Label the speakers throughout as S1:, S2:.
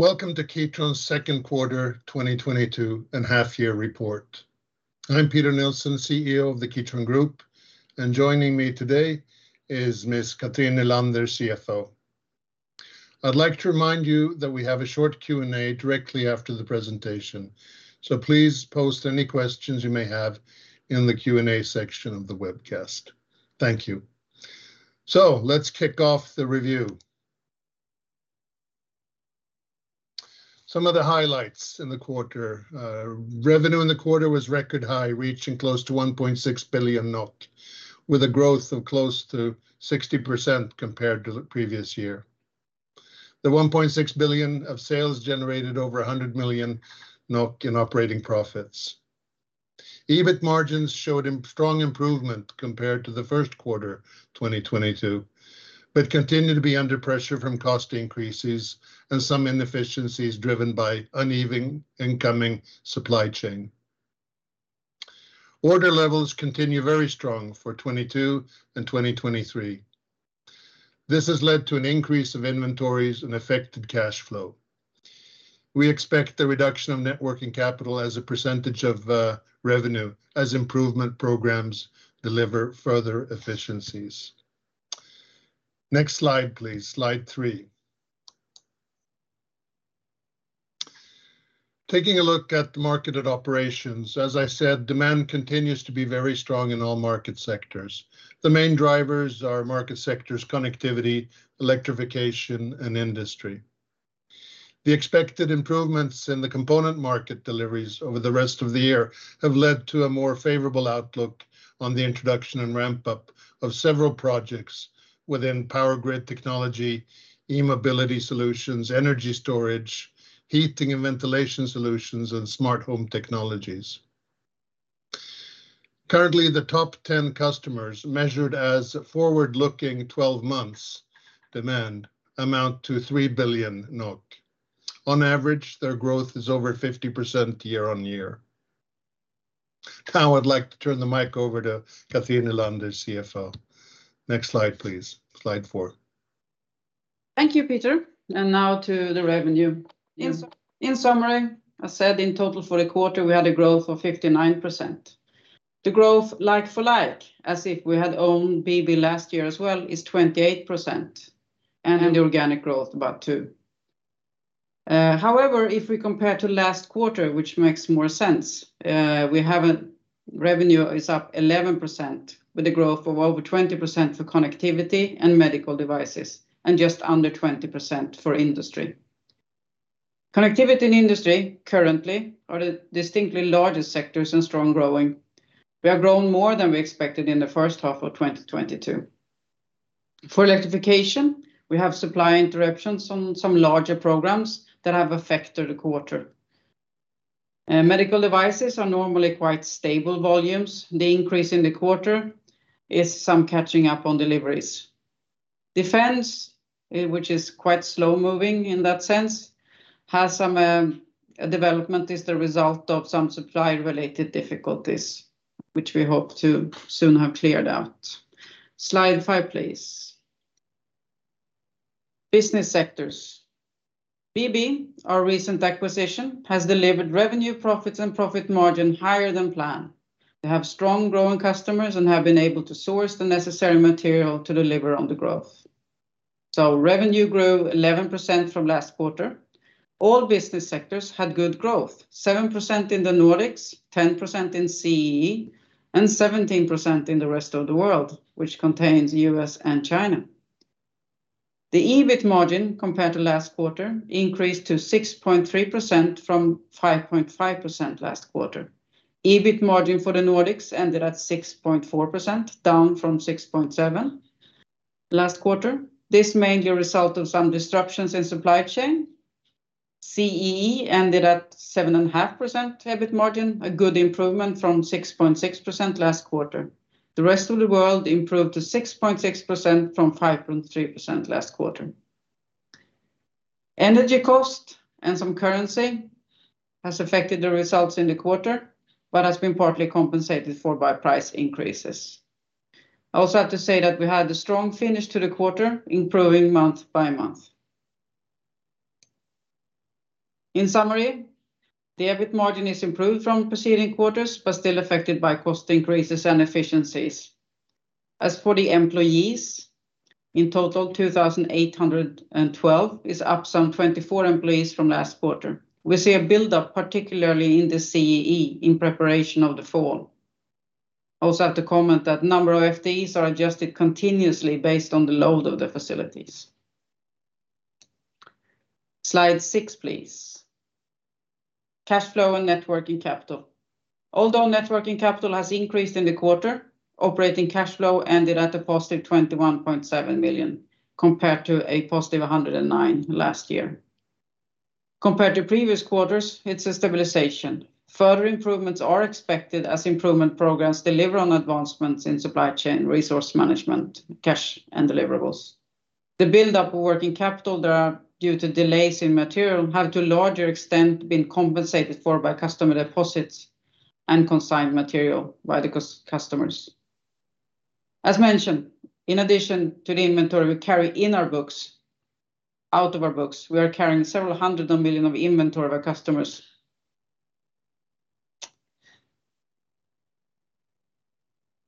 S1: Welcome to Kitron's Second Quarter 2022 and Half-Year Report. I'm Peter Nilsson, CEO of the Kitron Group, and joining me today is Miss Cathrin Nylander, CFO. I'd like to remind you that we have a short Q&A directly after the presentation, so please post any questions you may have in the Q&A section of the webcast. Thank you. Let's kick off the review. Some of the highlights in the quarter. Revenue in the quarter was record high, reaching close to 1.6 billion NOK, with a growth of close to 60% compared to the previous year. The 1.6 billion of sales generated over 100 million NOK in operating profits. EBIT margins showed strong improvement compared to the first quarter, 2022, but continue to be under pressure from cost increases and some inefficiencies driven by uneven incoming supply chain. Order levels continue very strong for 2022 and 2023. This has led to an increase of inventories and affected cash flow. We expect the reduction of net working capital as a percentage of revenue as improvement programs deliver further efficiencies. Next slide, please. Slide three. Taking a look at the market of operations, as I said, demand continues to be very strong in all market sectors. The main drivers are market sectors, connectivity, electrification, and industry. The expected improvements in the component market deliveries over the rest of the year have led to a more favorable outlook on the introduction and ramp-up of several projects within Power Grid Technology, e-Mobility Solutions, Energy Storage, Heating and Ventilation Solutions, and Smart Home Technologies. Currently, the top 10 customers, measured as forward-looking 12-month demand, amount to 3 billion NOK. On average, their growth is over 50% year-on-year. Now I'd like to turn the mic over to Cathrin Nylander, CFO. Next slide, please. Slide four.
S2: Thank you, Peter. Now to the revenue. In summary, I said in total for the quarter, we had a growth of 59%. The growth like for like, as if we had owned BB last year as well, is 28%, and the organic growth about 2%. However, if we compare to last quarter, which makes more sense, revenue is up 11% with a growth of over 20% for Connectivity and Medical Devices, and just under 20% for Industry. Connectivity and Industry currently, are the distinctly largest sectors and strong growing. We have grown more than we expected in the first half of 2022. For Electrification, we have supply interruptions on some larger programs that have affected the quarter. Medical Devices are normally quite stable volumes. The increase in the quarter is some catching up on deliveries. Defense, which is quite slow-moving in that sense, has some development as the result of some supply-related difficulties, which we hope to soon have cleared out. Slide five, please. Business sectors. BB, our recent acquisition, has delivered revenue, profits, and profit margin higher than planned. They have strong growing customers and have been able to source the necessary material to deliver on the growth. Revenue grew 11% from last quarter. All business sectors had good growth, 7% in the Nordics, 10% in the CEE, and 17% in the rest of the world, which contains U.S. and China. The EBIT margin compared to last quarter increased to 6.3% from 5.5% last quarter. EBIT margin for the Nordics ended at 6.4%, down from 6.7% last quarter. This is mainly a result of some disruptions in supply chain. CEE ended at 7.5% EBIT margin, a good improvement from 6.6% last quarter. The rest of the world improved to 6.6% from 5.3% last quarter. Energy cost and some currency has affected the results in the quarter, but has been partly compensated for by price increases. I also have to say that we had a strong finish to the quarter, improving month by month. In summary, the EBIT margin is improved from preceding quarters, but still affected by cost increases and efficiencies. As for the employees, in total, 2,812 is up some 24 employees from last quarter. We see a buildup, particularly in the CEE, in preparation of the fall. I also have to comment that number of FTEs are adjusted continuously based on the load of the facilities. Slide six, please. Cash flow and net working capital. Although net working capital has increased in the quarter, operating cash flow ended at a positive 21.7 million, compared to a positive 109 million last year. Compared to previous quarters, it's a stabilization. Further improvements are expected as improvement programs deliver on advancements in supply chain resource management, cash, and deliverables. The buildup of working capital is due to delays in material but to a larger extent has been compensated for by customer deposits and consigned material by the customers. As mentioned, in addition to the inventory we carry in our books, off our books, we are carrying several hundred million of inventory of our customers.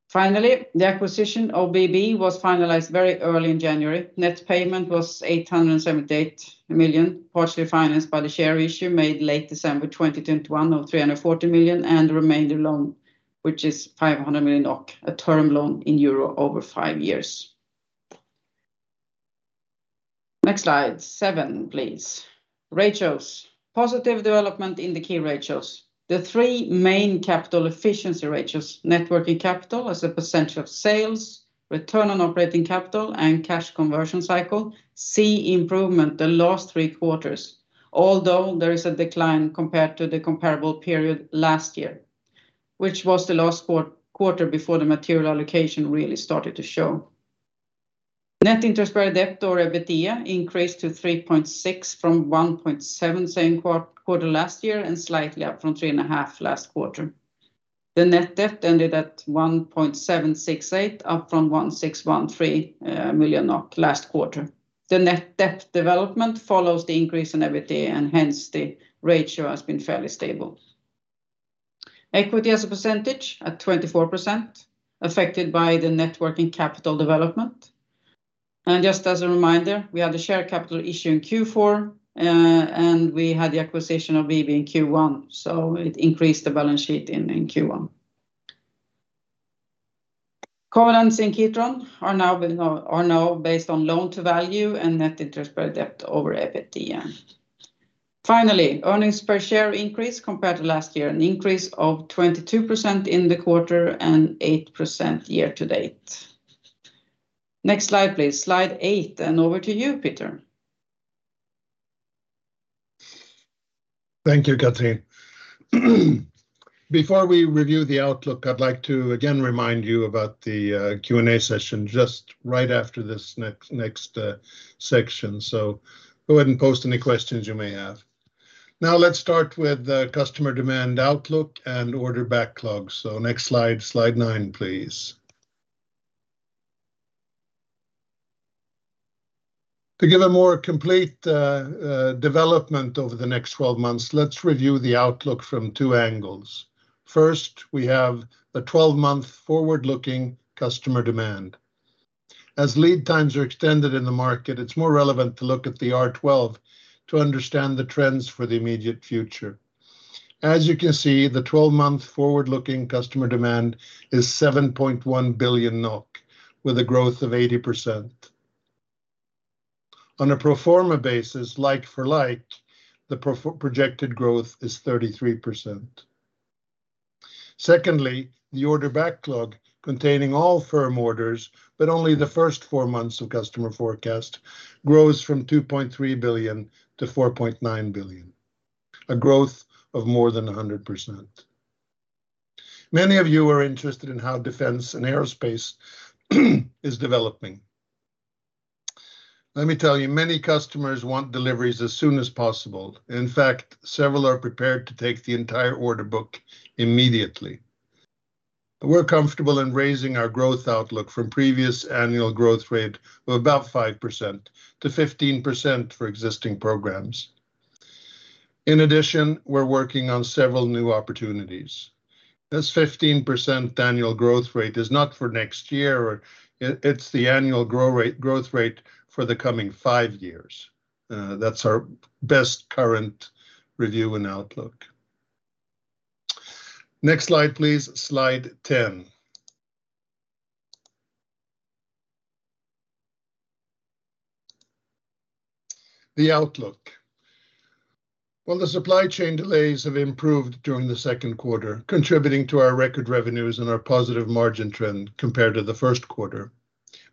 S2: Finally, the acquisition of BB was finalized very early in January. Net payment was 878 million, partially financed by the share issue made late December 2021 of 340 million, and the remainder loan, which is 500 million, a term loan in euro over five years. Next slide, seven, please. Ratios. Positive development in the key ratios. The three main capital efficiency ratios, net working capital as a percentage of sales, return on operating capital, and cash conversion cycle, see improvement the last three quarters, although there is a decline compared to the comparable period last year, which was the last quarter before the material inflation really started to show. Net interest-bearing debt to EBITDA increased to 3.6 from 1.7 same quarter last year, and slightly up from 3.5 last quarter. The net debt ended at 1.768 million, up from 1.613 million last quarter. The net debt development follows the increase in EBITDA, and hence the ratio has been fairly stable. Equity as a percentage at 24%, affected by the net working capital development. Just as a reminder, we had the share capital issue in Q4, and we had the acquisition of BB in Q1, so it increased the balance sheet in Q1. Covenants in Kitron are now based on loan to value and net interest-bearing debt over EBITDA. Finally, earnings per share increase compared to last year, an increase of 22% in the quarter and 8% year-to-date. Next slide, please. Slide eight, and over to you, Peter.
S1: Thank you, Cathrin. Before we review the outlook, I'd like to again remind you about the Q&A session just right after this next section. Go ahead and post any questions you may have. Now let's start with the customer demand outlook and order backlogs. Next, slide nine please. To give a more complete development over the next 12 months, let's review the outlook from two angles. First, we have the 12-month forward-looking customer demand. As lead times are extended in the market, it's more relevant to look at the R12 to understand the trends for the immediate future. As you can see, the 12-month forward-looking customer demand is 7.1 billion NOK, with a growth of 80%. On a pro forma basis, like for like, the projected growth is 33%. Secondly, the order backlog containing all firm orders, but only the first four months of customer forecast, grows from 2.3 billion to 4.9 billion, a growth of more than 100%. Many of you are interested in how Defense and Aerospace is developing. Let me tell you, many customers want deliveries as soon as possible. In fact, several are prepared to take the entire order book immediately. We're comfortable in raising our growth outlook from previous annual growth rate of about 5%-15% for existing programs. In addition, we're working on several new opportunities. This 15% annual growth rate is not for next year. It's the annual growth rate for the coming five years. That's our best current review and outlook. Next slide, please. Slide 10. The outlook. While the supply chain delays have improved during the second quarter, contributing to our record revenues and our positive margin trend compared to the first quarter,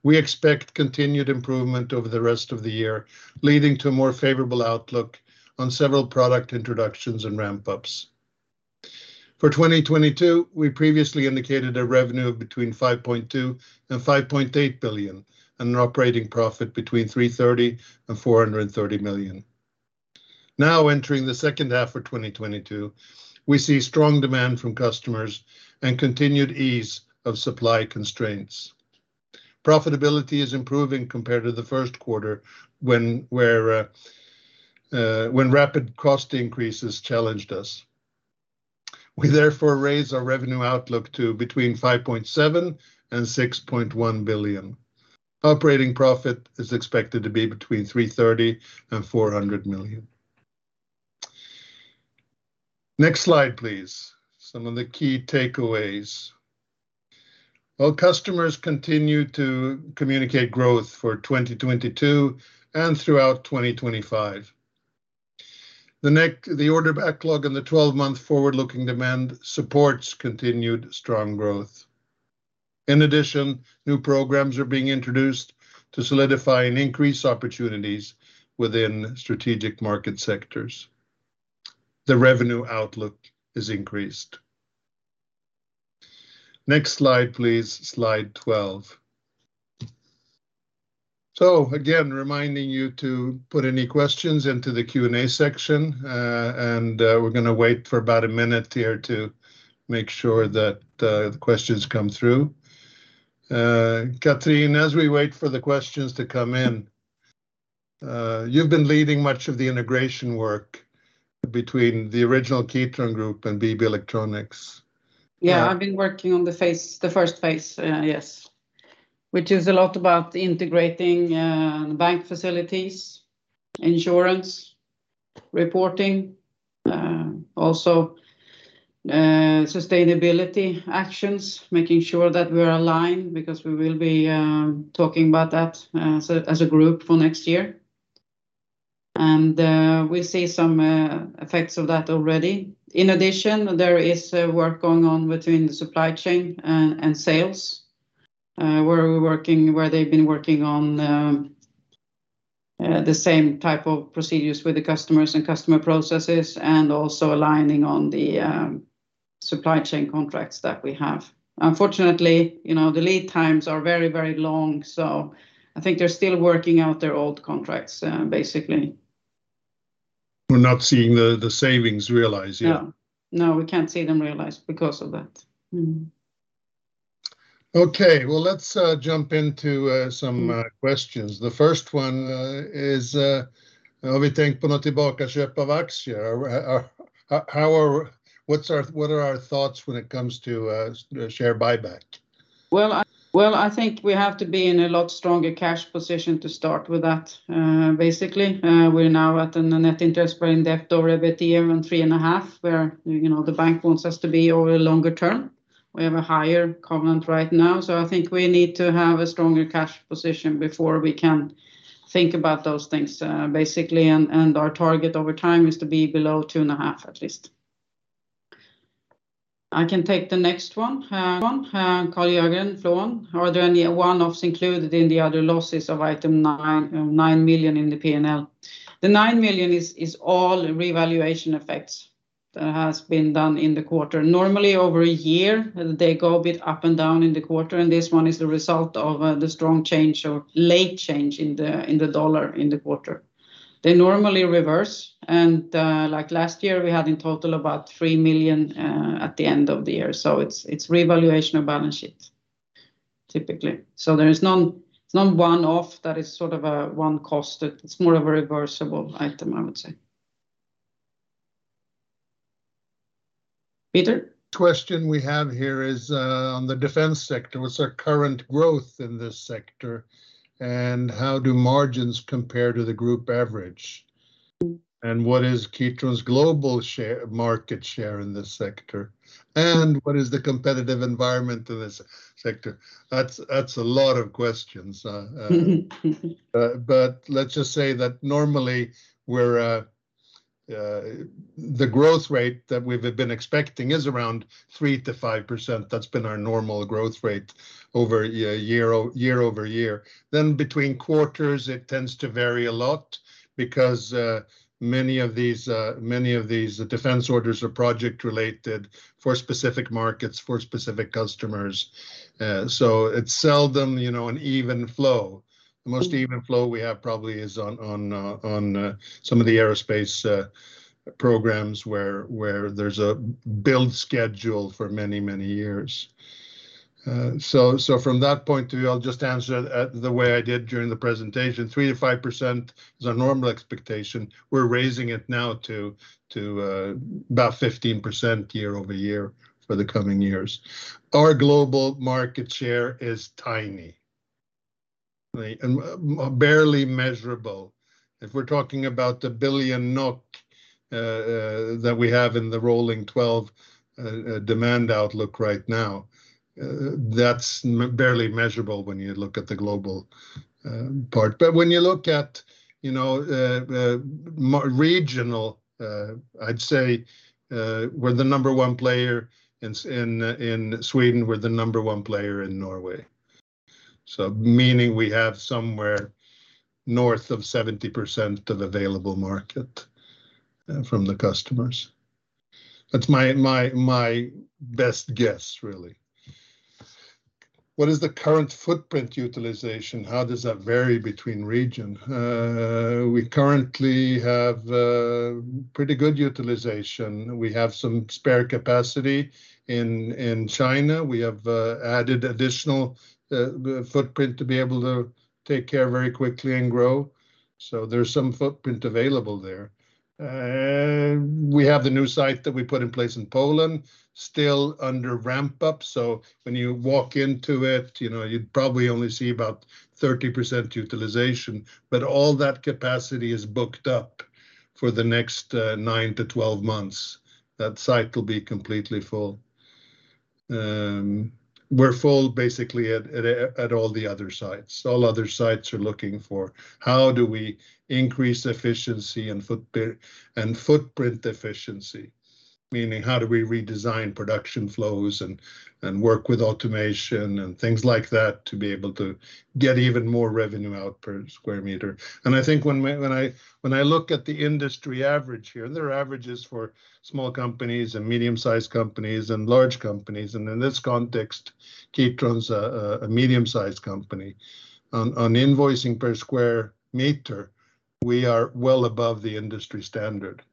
S1: we expect continued improvement over the rest of the year, leading to a more favorable outlook on several product introductions and ramp-ups. For 2022, we previously indicated a revenue of between 5.2 billion and 5.8 billion and an operating profit between 330 million and 430 million. Now entering the second half of 2022, we see strong demand from customers and continued ease of supply constraints. Profitability is improving compared to the first quarter when rapid cost increases challenged us. We therefore raise our revenue outlook to between 5.7 billion and 6.1 billion. Operating profit is expected to be between 330 million and 400 million. Next slide, please. Some of the key takeaways. While customers continue to communicate growth for 2022 and throughout 2025, the order backlog and the 12-month forward-looking demand supports continued strong growth. In addition, new programs are being introduced to solidify and increase opportunities within strategic market sectors. The revenue outlook is increased. Next slide, please. Slide 12. Again, reminding you to put any questions into the Q&A section, and we're gonna wait for about a minute here to make sure that the questions come through. Cathrin, as we wait for the questions to come in, you've been leading much of the integration work between the original Kitron Group and BB Electronics.
S2: Yeah, I've been working on the phase, the first phase, yes, which is a lot about integrating bank facilities, insurance, reporting, also sustainability actions, making sure that we're aligned because we will be talking about that as a group for next year. We see some effects of that already. In addition, there is work going on between the supply chain and sales, where they've been working on the same type of procedures with the customers and customer processes and also aligning on the supply chain contracts that we have. Unfortunately, you know, the lead times are very, very long, so I think they're still working out their old contracts basically.
S1: We're not seeing the savings realized yet.
S2: No. No, we can't see them realized because of that.
S1: Okay. Well, let's jump into some questions. The first one is have you thought about buying back shares? Or what are our thoughts when it comes to share buyback?
S2: I think we have to be in a lot stronger cash position to start with that, basically. We're now at a net interest-bearing debt to EBITDA of 3.5x, where the bank wants us to be over the longer term. We have a higher covenant right now, so I think we need to have a stronger cash position before we can think about those things, basically and our target over time is to be below 2.5x, at least. I can take the next one. Karl-Jørgen Flun, "Are there any one-offs included in the other losses of item 9 million in the P&L?" The 9 million is all revaluation effects that has been done in the quarter. Normally, over a year, they go a bit up and down in the quarter, and this one is the result of the strong change or late change in the dollar in the quarter. They normally reverse and, like last year, we had in total about 3 million at the end of the year. It's revaluation of balance sheet, typically. There is no one-off that is sort of one cost. It's more of a reversible item, I would say. Peter?
S1: Question we have here is on the defense sector. What's our current growth in this sector, and how do margins compare to the group average? What is Kitron's global share, market share in this sector? What is the competitive environment in this sector? That's a lot of questions. Let's just say that normally, the growth rate that we've been expecting is around 3%-5%. That's been our normal growth rate year-over-year. Between quarters, it tends to vary a lot because many of these defense orders are project related for specific markets, for specific customers. It's seldom an even flow. The most even flow we have probably is on some of the aerospace programs where there's a build schedule for many years. From that point of view, I'll just answer it the way I did during the presentation, 3%-5% is our normal expectation. We're raising it now to about 15% year-over-year for the coming years. Our global market share is tiny, right? Barely measurable. If we're talking about the 1 billion NOK that we have in the rolling 12 demand outlook right now, that's barely measurable when you look at the global part. When you look at regional, I'd say, we're the number one player in Sweden, we're the number one player in Norway. Meaning we have somewhere north of 70% of available market from the customers. That's my best guess, really. What is the current footprint utilization? How does that vary between regions? We currently have pretty good utilization. We have some spare capacity in China. We have added additional footprint to be able to capture very quickly and grow. There's some footprint available there. We have the new site that we put in place in Poland, still under ramp-up. When you walk into it, you'd probably only see about 30% utilization, but all that capacity is booked up for the next nine to 12 months. That site will be completely full. We're full basically at all the other sites. All other sites are looking for how do we increase efficiency and footprint efficiency, meaning how do we redesign production flows and work with automation and things like that to be able to get even more revenue out per square meter. I think when I look at the industry average here, and there are averages for small companies and medium-sized companies and large companies, and in this context, Kitron's a medium-sized company. On invoicing per square meter, we are well above the industry standard.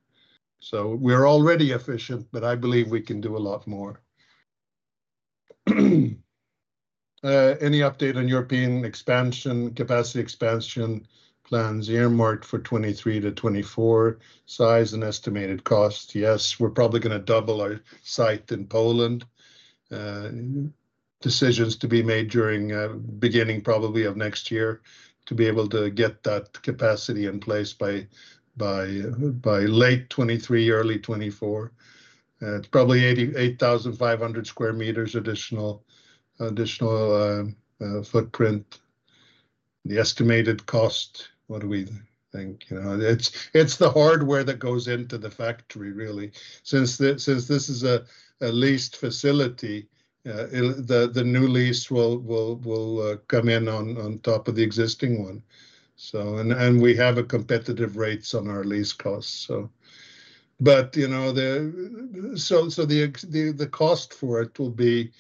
S1: We're already efficient, but I believe we can do a lot more. Any update on European expansion, capacity expansion plans earmarked for 2023-2024, size and estimated cost? Yes, we're probably gonna double our site in Poland. Decisions to be made during beginning probably of next year to be able to get that capacity in place by late 2023, early 2024. It's probably 88,500 sq m additional footprint. The estimated cost, what do we think? It's the hardware that goes into the factory really. Since this is a leased facility, the new lease will come in on top of the existing one. We have a competitive rates on our lease costs, so. The cost for it will be,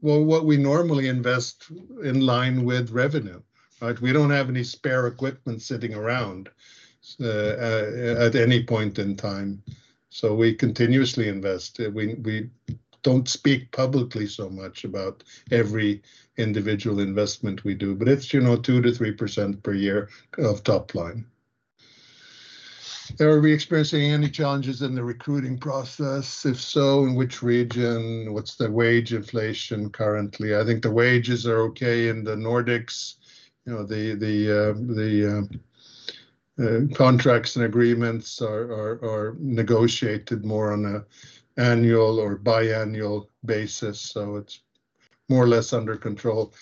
S1: well, what we normally invest in line with revenue, right? We don't have any spare equipment sitting around at any point in time, so we continuously invest. We don't speak publicly so much about every individual investment we do, but it's, you know, 2%-3% per year of top line. Are we experiencing any challenges in the recruiting process? If so, in which region? What's the wage inflation currently? I think the wages are okay in the Nordics. You know, the contracts and agreements are negotiated more on an annual or biannual basis, so it's more or less under control.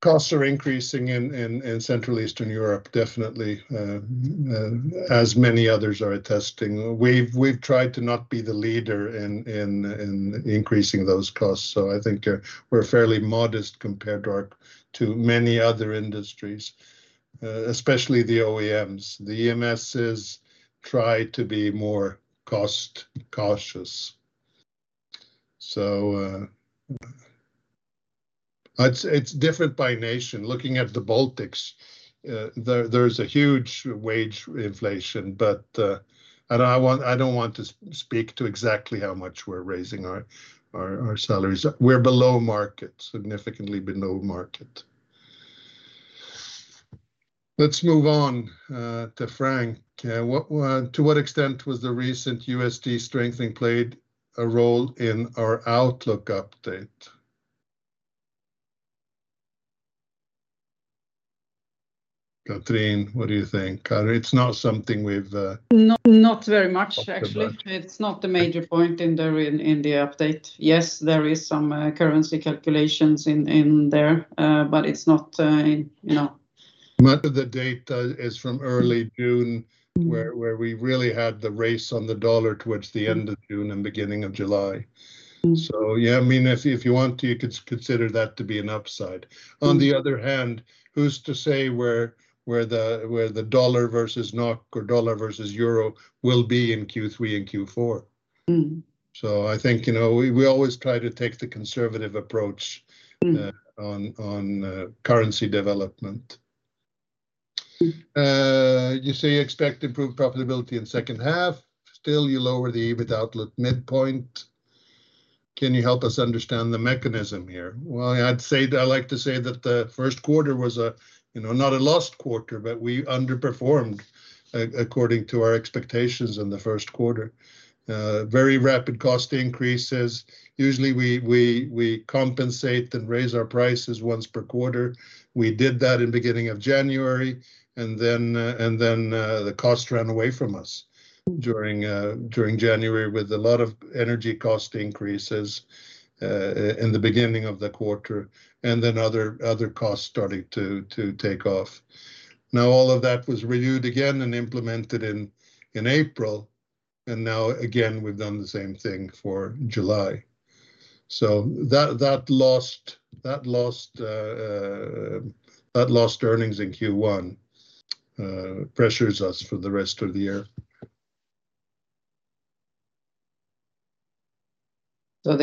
S1: Costs are increasing in Central and Eastern Europe, definitely, as many others are attesting. We've tried to not be the leader in increasing those costs, so I think we're fairly modest compared to many other industries, especially the OEMs. The EMSs try to be more cost-cautious. It's different by nation. Looking at the Baltics, there's a huge wage inflation, but I don't want to speak to exactly how much we're raising our salaries. We're below market, significantly below market. Let's move on to Frank. To what extent was the recent USD strengthening played a role in our outlook update? Cathrin, what do you think? It's not something we've talked about.
S2: Not very much actually. It's not the major point in the update. Yes, there is some currency calculations in there, but it's not.
S1: Most of the data is from early June where we really had the rise in the U.S, dollar towards the end of June and beginning of July. Yeah, I mean, if you want to, you could consider that to be an upside. On the other hand, who's to say where the dollar versus kroner or dollar versus euro will be in Q3 and Q4? I think we always try to take the conservative approach on currency development. You say you expect improved profitability in second half. Still you lower the EBIT outlook midpoint. Can you help us understand the mechanism here? Well, I'd say that I like to say that the first quarter was not a lost quarter, but we underperformed according to our expectations in the first quarter. Very rapid cost increases. Usually we compensate and raise our prices once per quarter. We did that in beginning of January, and then the cost ran away from us. During January, with a lot of energy cost increases in the beginning of the quarter, and then other costs starting to take off. Now, all of that was reviewed again and implemented in April, and now again, we've done the same thing for July. That lost earnings in Q1 pressures us for the rest of the year.
S2: Our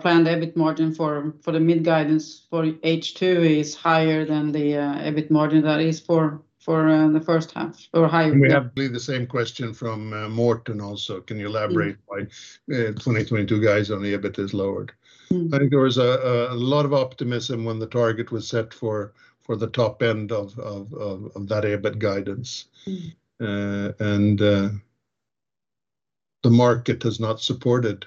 S2: planned EBIT margin for the midpoint guidance for H2 is higher than the EBIT margin that is for the first half or higher.
S1: We have probably the same question from Morten also. Can you elaborate why the 2022 guidance on the EBIT is lowered? I think there was a lot of optimism when the target was set for the top end of that EBIT guidance. The market has not supported.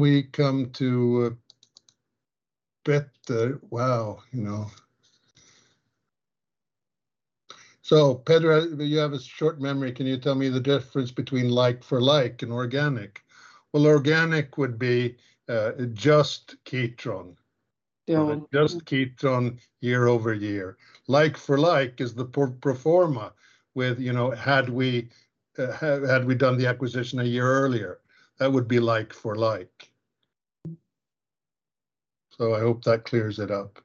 S1: We come to Peter. Wow. Peter, you have a short memory, can you tell me the difference between like for like and organic? Well, organic would be, just Kitron. Just Kitron year-over-year. Like for like is the pro forma with had we done the acquisition a year earlier? That would be like for like. I hope that clears it up.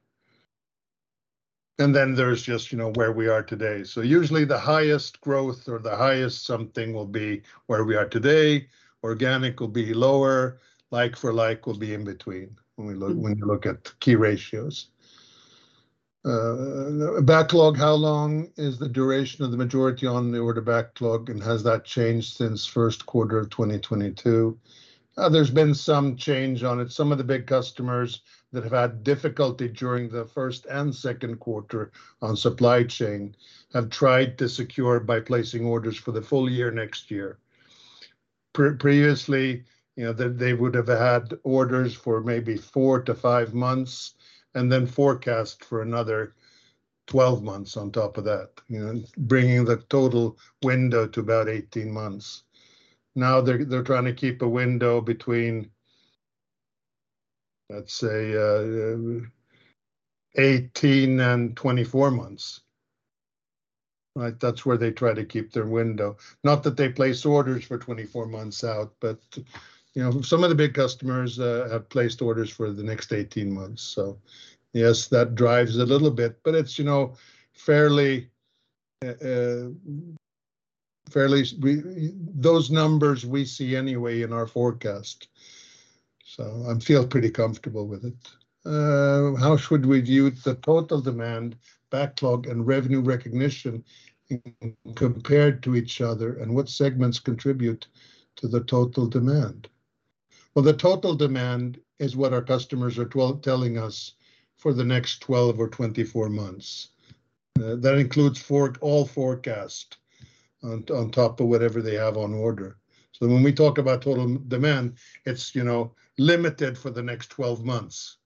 S1: Then there's just where we are today. Usually the highest growth or the highest something will be where we are today. Organic will be lower. Like for like will be in between when we look at key ratios. Backlog. How long is the duration of the majority on the order backlog, and has that changed since first quarter of 2022? There's been some change on it. Some of the big customers that have had difficulty during the first and second quarter on supply chain have tried to secure by placing orders for the full year next year. Previously, they would have had orders for maybe four to five months, and then forecast for another 12 months on top of that, bringing the total window to about 18 months. Now they're trying to keep a window between, let's say, 18 and 24 months. Right. That's where they try to keep their window. Not that they place orders for 24 months out, but some of the big customers have placed orders for the next 18 months. Yes, that drives a little bit, but it's those numbers we see anyway in our forecast, so I feel pretty comfortable with it. How should we view the total demand backlog and revenue recognition compared to each other, and what segments contribute to the total demand? Well, the total demand is what our customers are telling us for the next 12 or 24 months. That includes all forecast on top of whatever they have on order. When we talk about total demand, it's limited for the next 12 months.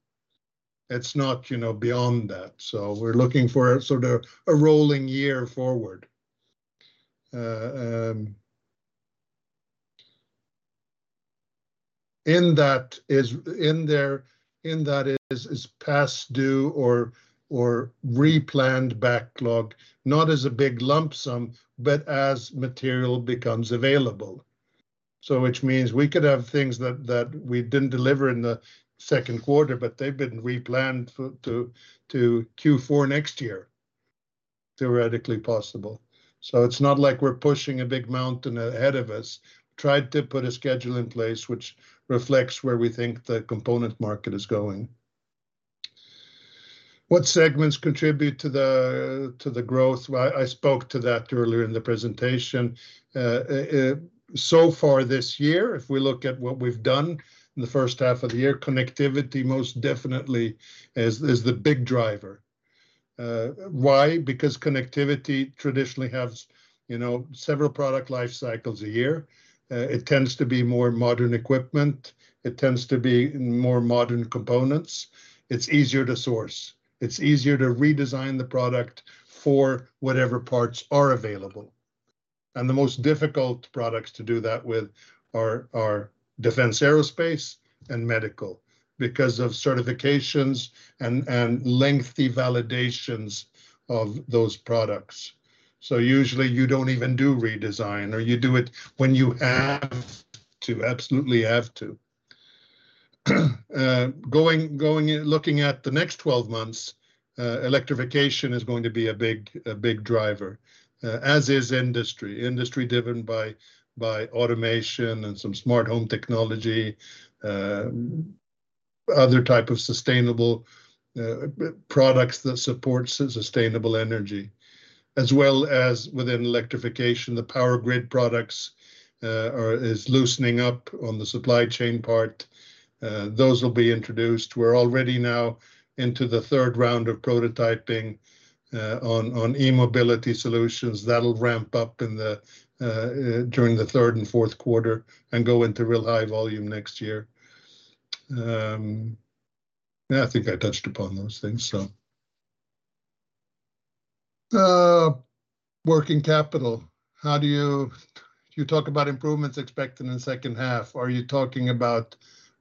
S1: It's not beyond that. We're looking for sort of a rolling year forward. In there is past due or replanned backlog, not as a big lump sum, but as material becomes available. Which means we could have things that we didn't deliver in the second quarter, but they've been replanned to Q4 next year. Theoretically possible. It's not like we're pushing a big mountain ahead of us. Tried to put a schedule in place which reflects where we think the component market is going. What segments contribute to the growth? Well, I spoke to that earlier in the presentation. So far this year, if we look at what we've done in the first half of the year, Connectivity most definitely is the big driver. Why? Because Connectivity, traditionally, has several product life cycles a year. It tends to be more modern equipment. It tends to be more modern components. It's easier to source. It's easier to redesign the product for whatever parts are available. The most difficult products to do that with are Defense, Aerospace, and Medical because of certifications and lengthy validations of those products. Usually you don't even do redesign, or you do it when you have to, absolutely have to. Looking at the next 12 months, Electrification is going to be a big driver, as is Industry. Industry driven by automation and some Smart Home Technology, other type of sustainable products that supports sustainable energy. As well as within Electrification, the power grid products are loosening up on the supply chain part. Those will be introduced. We're already now into the third round of prototyping on e-Mobility Solutions. That'll ramp up during the third and fourth quarter and go into real high volume next year. Yeah, I think I touched upon those things, so. Working capital. How do you talk about improvements expected in the second half. Are you talking about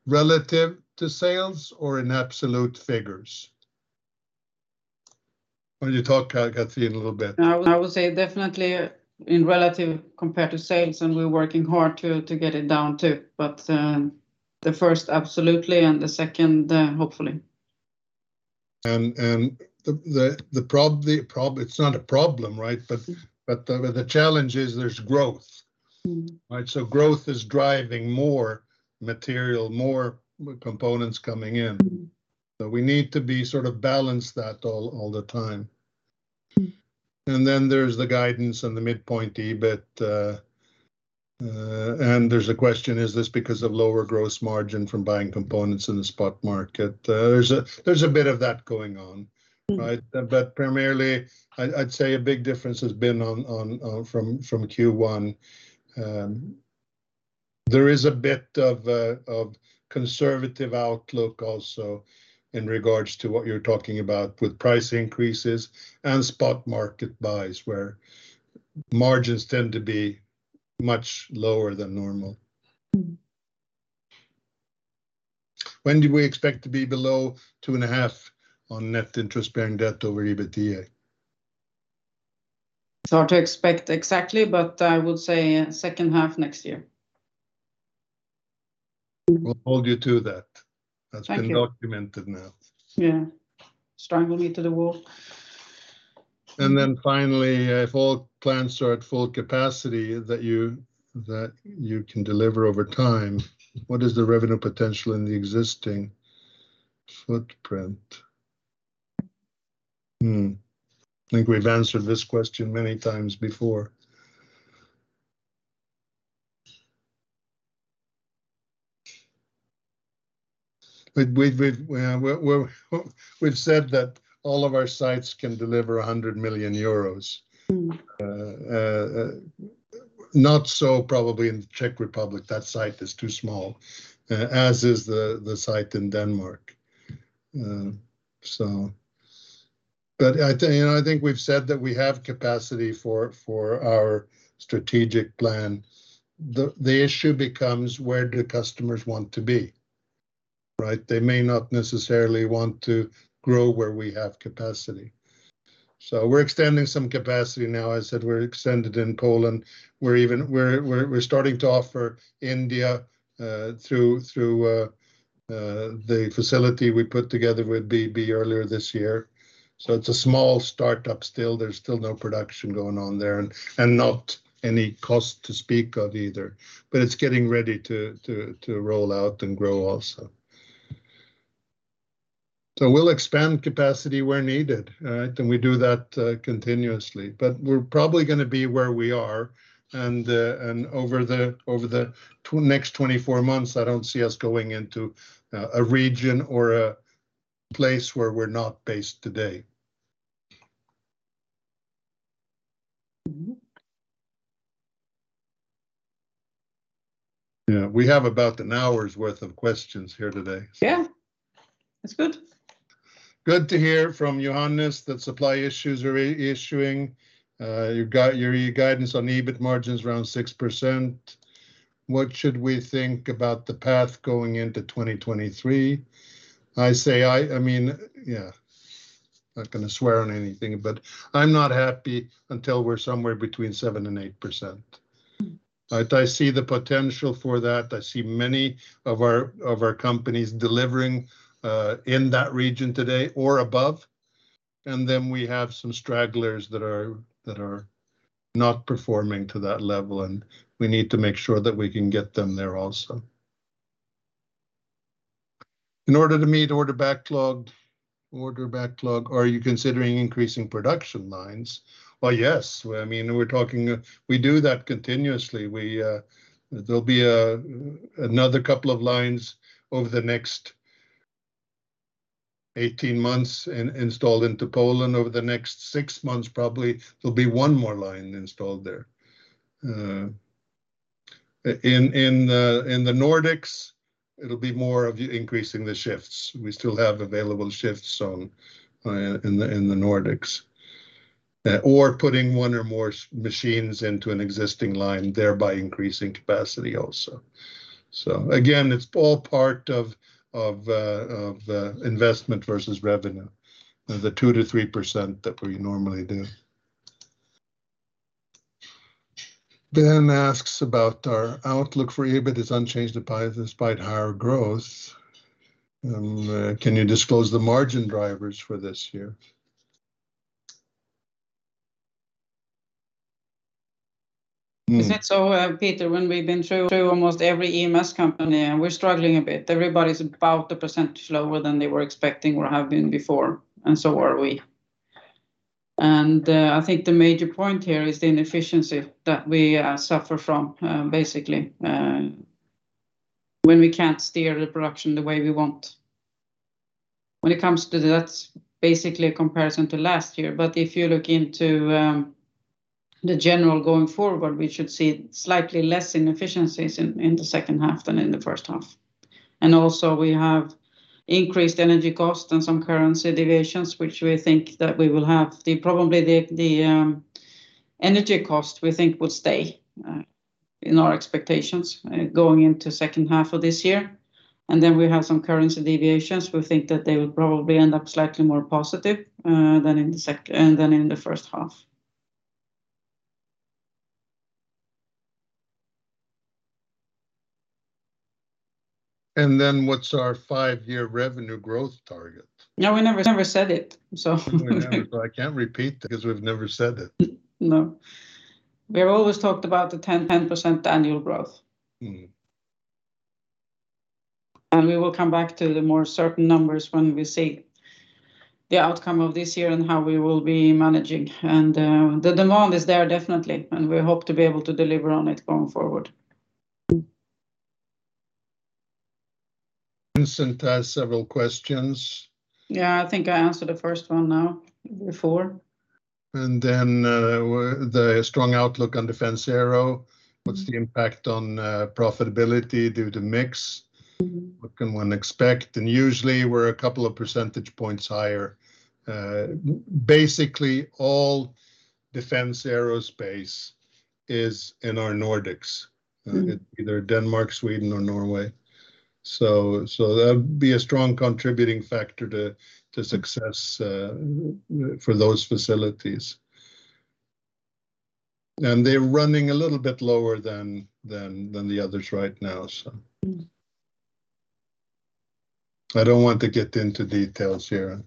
S1: relative to sales or in absolute figures? Why don't you talk, Cathrin, a little bit?
S2: I would say definitely in relative compared to sales, and we're working hard to get it down too. The first, absolutely, and the second, hopefully.
S1: The problem, it's not a problem, right? The challenge is there's growth. Right? Growth is driving more material, more components coming in. We need to be sort of balanced that all the time. There's the guidance and the midpoint, EBIT. There's a question, is this because of lower gross margin from buying components in the spot market? There's a bit of that going on. Right? Primarily, I'd say a big difference has been from Q1. There is a bit of conservative outlook also in regards to what you're talking about with price increases and spot market buys, where margins tend to be much lower than normal. When do we expect to be below 2.5x on net interest-bearing debt over EBITDA?
S2: It's hard to expect exactly, but I would say second half next year.
S1: We'll hold you to that.
S2: Thank you.
S1: That's been documented now.
S2: Yeah. Strangely to the wolf.
S1: Finally, if all plants are at full capacity that you can deliver over time, what is the revenue potential in the existing footprint? I think we've answered this question many times before. We've said that all of our sites can deliver 100 million euros. Not so probably in the Czech Republic. That site is too small, as is the site in Denmark. I think we've said that we have capacity for our strategic plan. The issue becomes where do customers want to be, right? They may not necessarily want to grow where we have capacity. We're extending some capacity now. I said we're extending in Poland. We're starting to offer in India through the facility we put together with BB earlier this year. It's a small startup still. There's still no production going on there and not any cost to speak of either. It's getting ready to roll out and grow also. We'll expand capacity where needed, right? We do that continuously. We're probably gonna be where we are and over the next 24 months, I don't see us going into a region or a place where we're not based today. Yeah, we have about an hour's worth of questions here today, so.
S2: Yeah. That's good.
S1: Good to hear from Johannes that supply issues are easing. You've got your guidance on EBIT margins around 6%. What should we think about the path going into 2023? I mean, yeah, not gonna swear on anything, but I'm not happy until we're somewhere between 7% and 8%. I see the potential for that. I see many of our companies delivering in that region today or above. Then we have some stragglers that are not performing to that level, and we need to make sure that we can get them there also. In order to meet order backlog, are you considering increasing production lines? Well, yes. I mean, we do that continuously. There'll be another couple of lines over the next 18 months installed into Poland. Over the next six months probably, there'll be one more line installed there. In the Nordics, it'll be more of increasing the shifts. We still have available shifts in the Nordics. Or putting one or more machines into an existing line, thereby increasing capacity also. Again, it's all part of investment versus revenue, the 2%-3% that we normally do. Ben asks about our outlook for EBIT is unchanged despite higher growth. Can you disclose the margin drivers for this year?
S2: Is that so, Peter, when we've been through almost every EMS company and we're struggling a bit. Everybody's about 1% slower than they were expecting or have been before, and so are we. I think the major point here is the inefficiency that we suffer from, basically, when we can't steer the production the way we want. When it comes to that, basically a comparison to last year. If you look into the general going forward, we should see slightly less inefficiencies in the second half than in the first half. Also we have increased energy costs and some currency deviations, which we think that we will have. Probably the energy cost we think will stay in our expectations going into second half of this year. Then we have some currency deviations. We think that they will probably end up slightly more positive than in the first half.
S1: What's our five-year revenue growth target?
S2: Yeah, we never said it.
S1: We never, so I can't repeat because we've never said it.
S2: No. We've always talked about the 10% annual growth. We will come back to the more certain numbers when we see the outcome of this year and how we will be managing. The demand is there definitely, and we hope to be able to deliver on it going forward.
S1: Vincent has several questions.
S2: Yeah, I think I answered the first one now before.
S1: The strong outlook on Defense, Aerospace. What's the impact on profitability due to mix? What can one expect? Usually we're a couple of percentage points higher. Basically all Defense, Aerospace is in our Nordics. Either Denmark, Sweden, or Norway. So that'd be a strong contributing factor to success for those facilities. They're running a little bit lower than the others right now, so. I don't want to get into details here.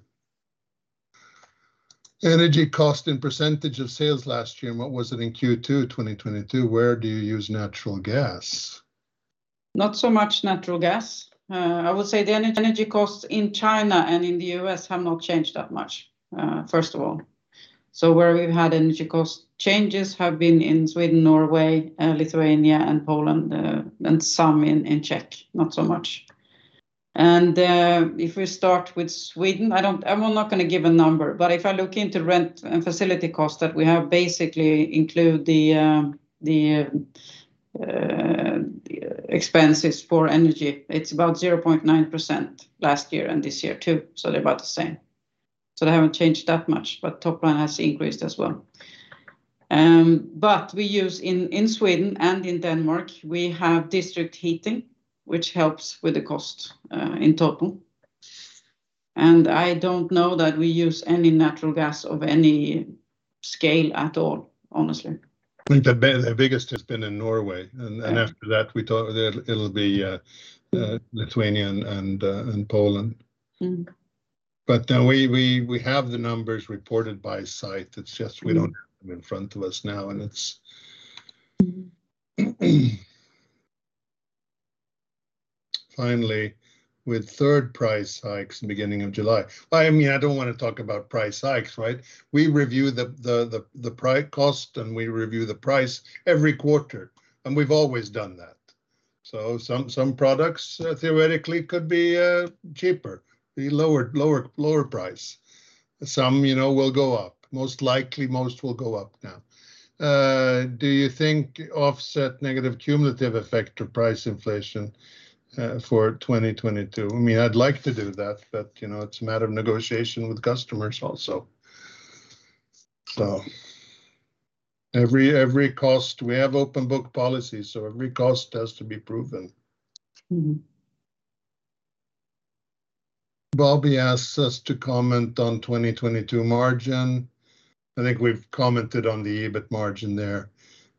S1: Energy cost and percentage of sales last year, and what was it in Q2 2022? Where do you use natural gas?
S2: Not so much natural gas. I would say the energy costs in China and in the U.S. have not changed that much, first of all. Where we've had energy cost changes have been in Sweden, Norway, Lithuania, and Poland, and some in Czech, not so much. If we start with Sweden, I'm not gonna give a number, but if I look into rent and facility costs that we have, basically include the expenses for energy. It's about 0.9% last year and this year too, so they're about the same. They haven't changed that much, but top line has increased as well. We use, in Sweden and in Denmark, we have district heating, which helps with the cost in total. I don't know that we use any natural gas of any scale at all, honestly.
S1: I think the biggest has been in Norway. After that we talk. It'll be Lithuania and Poland. We have the numbers reported by site. It's just we don't have them in front of us now. Finally, with third price hikes in the beginning of July. I mean, I don't wanna talk about price hikes, right? We review the price and cost, and we review the price every quarter, and we've always done that. Some products theoretically could be cheaper, lower price. Some will go up. Most likely, most will go up now. Do you think to offset negative cumulative effect of price inflation for 2022? I mean, I'd like to do that, but it's a matter of negotiation with customers also. Every cost, we have open book policy, so every cost has to be proven. Bobby asks us to comment on 2022 margin. I think we've commented on the EBIT margin there.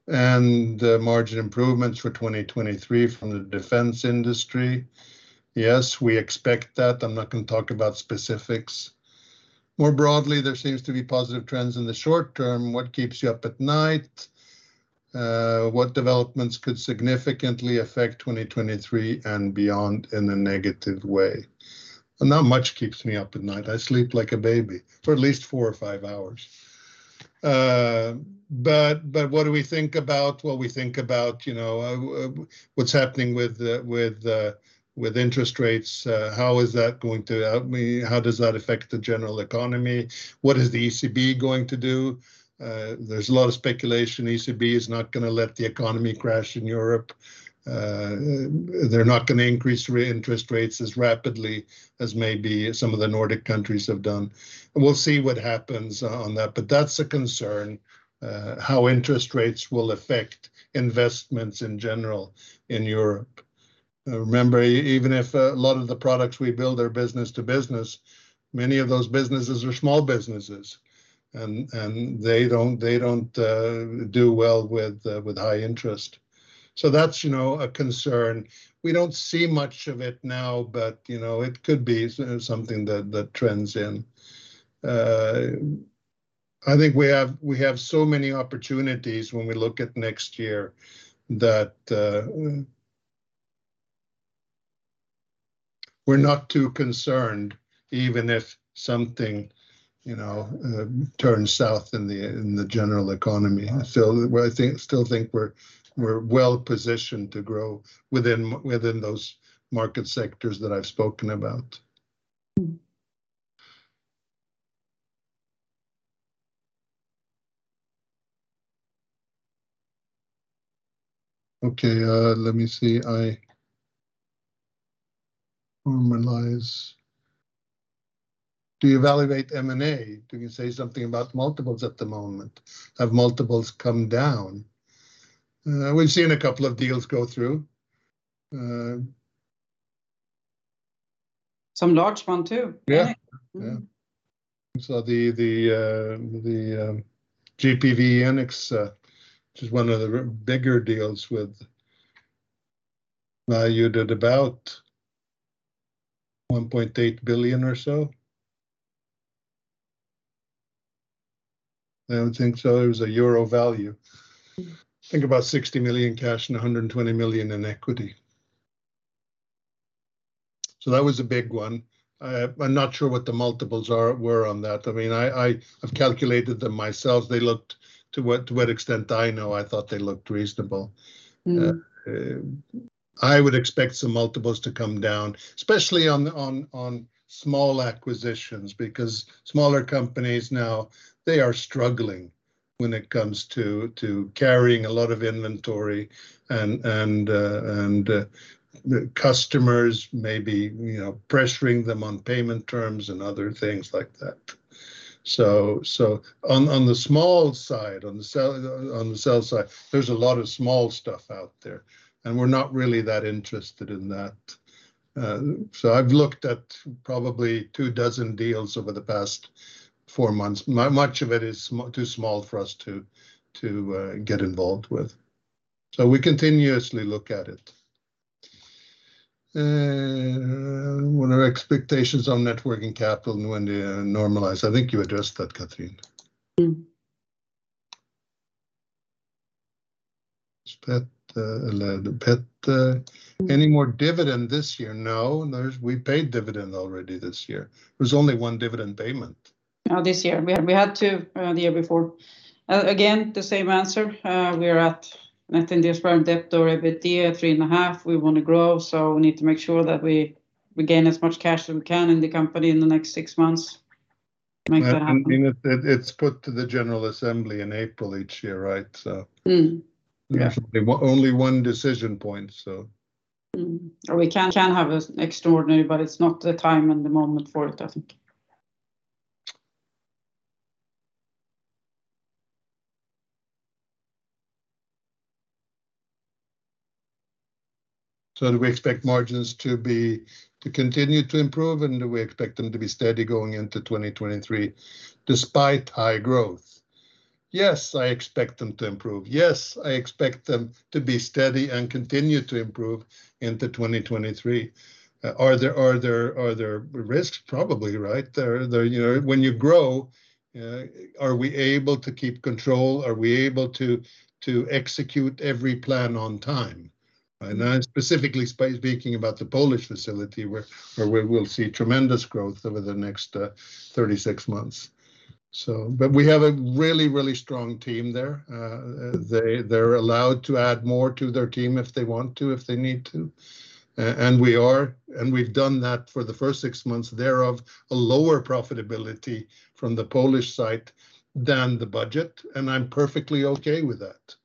S1: The margin improvements for 2023 from the defense industry. Yes, we expect that. I'm not gonna talk about specifics. More broadly, there seems to be positive trends in the short term. What keeps you up at night? What developments could significantly affect 2023 and beyond in a negative way? Not much keeps me up at night. I sleep like a baby for at least four or five hours. But what do we think about? Well, we think about, you know, what's happening with interest rates. How is that going to help me? How does that affect the general economy? What is the ECB going to do? There's a lot of speculation ECB is not gonna let the economy crash in Europe. They're not gonna increase interest rates as rapidly as maybe some of the Nordic countries have done. We'll see what happens on that, but that's a concern, how interest rates will affect investments in general, in Europe. Remember, even if a lot of the products we build are business to business, many of those businesses are small businesses and they don't do well with high interest. So that's a concern. We don't see much of it now, but it could be something that trends in. I think we have so many opportunities when we look at next year that we're not too concerned even if something turns south in the general economy. I think we're still well positioned to grow within those market sectors that I've spoken about. Okay, let me see. Do you evaluate M&A? Do you say something about multiples at the moment? Have multiples come down? We've seen a couple of deals go through.
S2: Some large one too, I think.
S1: Yeah. We saw the GPV/Enics, which is one of the bigger deals valued at about EUR 1.8 billion or so. I don't think so. It was a euro value. Think about 60 million cash and 120 million in equity. That was a big one. I'm not sure what the multiples were on that. I mean, I have calculated them myself. They looked reasonable, to what extent I know. I thought they looked reasonable. I would expect some multiples to come down, especially on small acquisitions, because smaller companies now, they are struggling when it comes to carrying a lot of inventory and the customers may be pressuring them on payment terms and other things like that. On the small side, on the sell side, there's a lot of small stuff out there, and we're not really that interested in that. I've looked at probably 24 deals over the past four months. Much of it is too small for us to get involved with. We continuously look at it. What are our expectations on net working capital when they are normalized? I think you addressed that, Cathrin. Peter, any more dividend this year? No. We paid dividend already this year. There's only one dividend payment.
S2: This year. We had two the year before. Again, the same answer. We are at net interest-bearing debt to EBITDA at 3.5xx. We wanna grow, so we need to make sure that we gain as much cash as we can in the company in the next six months to make that happen.
S1: I mean, it's put to the general assembly in April each year, right?
S2: Yeah.
S1: Only one decision point so.
S2: We can have an extraordinary, but it's not the time and the moment for it, I think.
S1: Do we expect margins to continue to improve, and do we expect them to be steady going into 2023 despite high growth? Yes, I expect them to improve. Yes, I expect them to be steady and continue to improve into 2023. Are there risks? Probably, right? You know, when you grow, are we able to keep control? Are we able to execute every plan on time? I'm specifically speaking about the Polish facility where we will see tremendous growth over the next 36 months. But we have a really, really strong team there. They're allowed to add more to their team if they want to, if they need to. We've done that for the first six months, thereof a lower profitability from the Polish side than the budget, and I'm perfectly okay with that,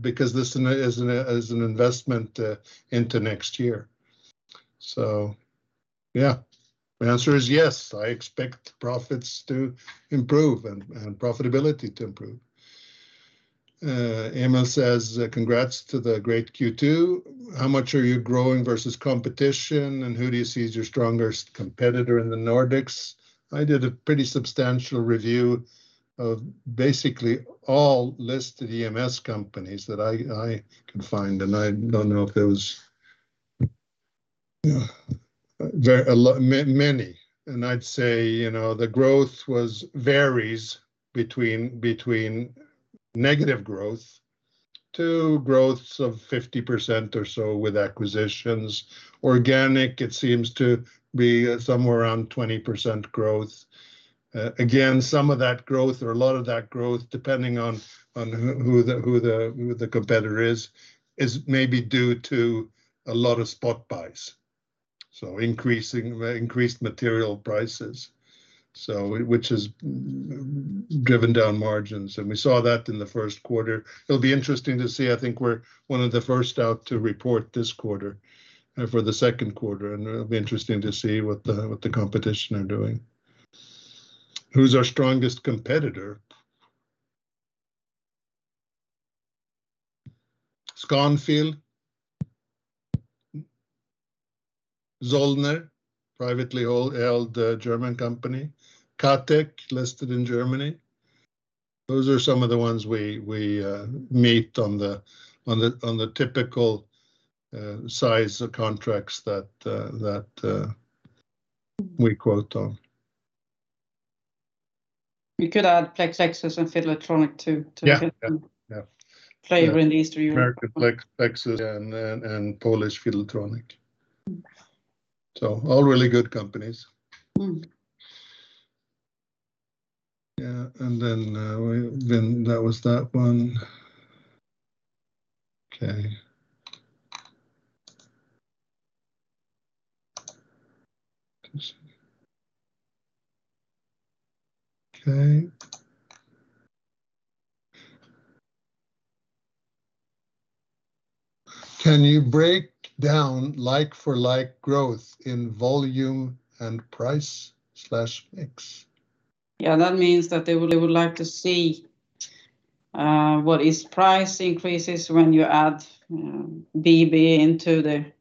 S1: because this is an investment into next year. Yeah, my answer is yes, I expect profits to improve and profitability to improve. Emil says, "Congrats to the great Q2. How much are you growing versus competition, and who do you see as your strongest competitor in the Nordics?" I did a pretty substantial review of basically all listed EMS companies that I could find, and I don't know if there was very many. I'd say the growth varies between negative growth to growths of 50% or so with acquisitions. Organic, it seems to be somewhere around 20% growth. Again, some of that growth or a lot of that growth, depending on who the competitor is maybe due to a lot of spot buys. Increased material prices, which has driven down margins, and we saw that in the first quarter. It'll be interesting to see. I think we're one of the first out to report this quarter for the second quarter, and it'll be interesting to see what the competition are doing. Who's our strongest competitor? Scanfil, Zollner, privately held German company, KATEK, listed in Germany. Those are some of the ones we meet on the typical size of contracts that we quote on.
S2: You could add Plexus and Fideltronik too, to the list.
S1: Yeah, yeah.
S2: Labor in the Eastern Europe.
S1: American Plexus and Polish Fideltronik. All really good companies. Yeah, that was that one. Okay. Okay. Can you break down like for like growth in volume and price/mix?
S2: Yeah, that means that they would like to see what the price increases are when you add BB into the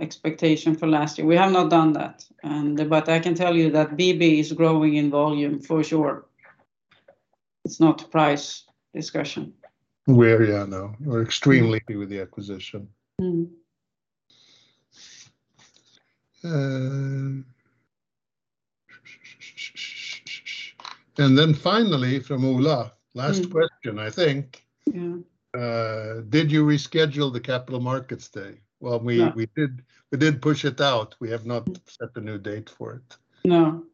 S2: expectation for last year. We have not done that, but I can tell you that BB is growing in volume for sure. It's not price discussion.
S1: Yeah, I know. We're extremely happy with the acquisition. Finally from Ola, last question, I think.
S2: Yeah.
S1: Did you reschedule the Capital Markets Day?
S2: No
S1: We did push it out. We have not set the new date for it.
S2: No.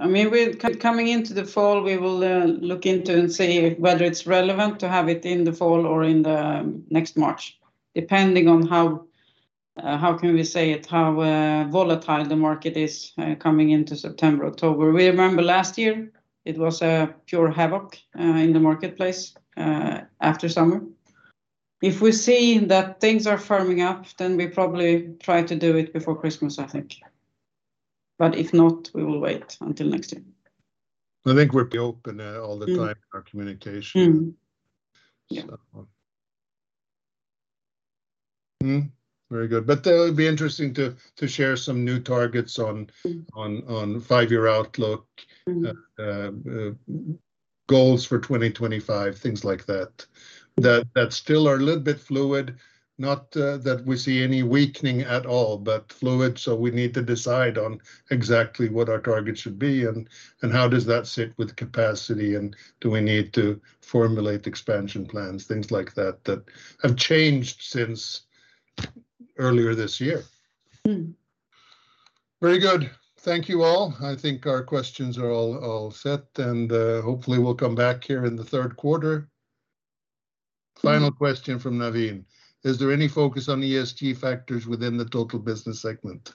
S2: I mean, coming into the fall, we will look into and see whether it's relevant to have it in the fall or in the next March, depending on how can we say it, how volatile the market is, coming into September, October. We remember last year, it was a pure havoc in the marketplace after summer. If we see that things are firming up, then we probably try to do it before Christmas, I think. If not, we will wait until next year.
S1: I think we're open all the time in our communication. Very good. That would be interesting to share some new targets on five-year outlook, goals for 2025, things like that. That still are a little bit fluid, not that we see any weakening at all, but fluid, so we need to decide on exactly what our targets should be and how does that sit with capacity, and do we need to formulate expansion plans, things like that have changed since earlier this year. Very good. Thank you all. I think our questions are all set, and hopefully we'll come back here in the third quarter. Final question from Naveen: "Is there any focus on ESG factors within the total business segment?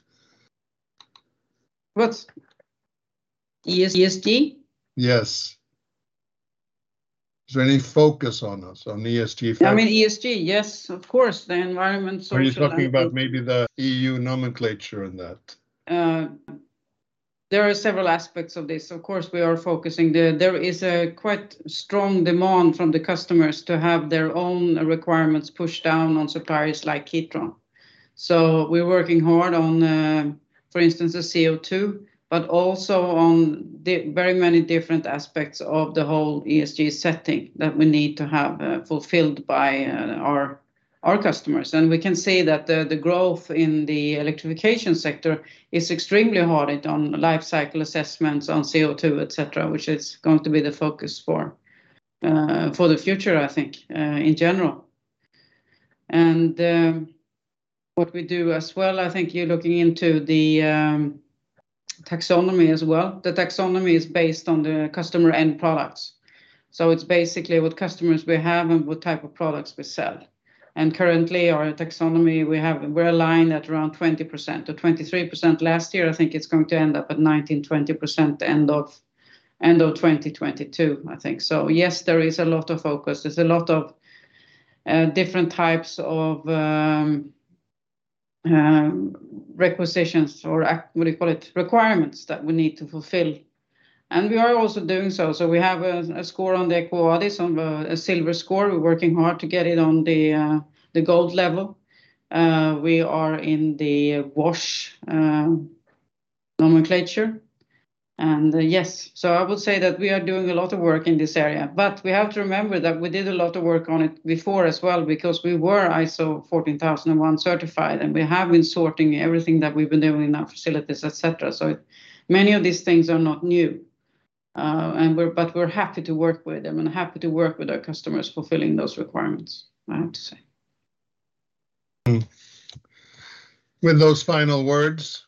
S2: What's ESG?
S1: Yes. Is there any focus on this, on ESG factors?
S2: I mean, ESG, yes, of course. The environment, social, and.
S1: Are you talking about maybe the E.U. nomenclature in that?
S2: There are several aspects of this. Of course we are focusing. There is a quite strong demand from the customers to have their own requirements pushed down on suppliers like Kitron. We're working hard on, for instance, the CO2, but also on the very many different aspects of the whole ESG setting that we need to have fulfilled by our customers. We can see that the growth in the Electrification sector is extremely hard on life cycle assessments, on CO2, et cetera, which is going to be the focus for the future, I think, in general. What we do as well, I think you're looking into the taxonomy as well. The taxonomy is based on the customer end products. It's basically what customers we have and what type of products we sell. Currently, our taxonomy, we have, we're aligning at around 20%-23% last year. I think it's going to end up at 19%-20% end of 2022, I think. Yes, there is a lot of focus. There's a lot of different types of regulations that we need to fulfill. We are also doing so. We have a score on the EcoVadis, a silver score. We're working hard to get it on the gold level. We are in the WASH nomenclature. I would say that we are doing a lot of work in this area. We have to remember that we did a lot of work on it before as well because we were ISO 14001 certified, and we have been sorting everything that we've been doing in our facilities, et cetera. Many of these things are not new. We're happy to work with them and happy to work with our customers fulfilling those requirements, I have to say.
S1: With those final words.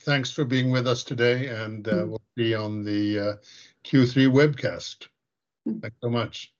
S1: Thanks for being with us today, and we'll be on the Q3 webcast. Thanks so much.